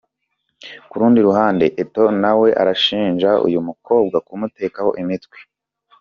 Ku rundi ruhande, Eto’o na we arashinja uyu mukobwa kumutekaho imitwe .